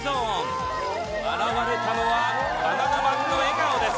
現れたのはバナナマンの笑顔です！